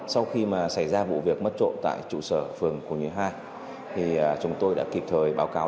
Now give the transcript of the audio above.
sau khi mà xảy ra vụ việc mất trộm tại trụ sở phường cổ nhuế hai thì chúng tôi đã kịp thời báo cáo